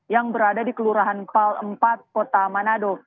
yang berada di kelurahan pal empat kota manado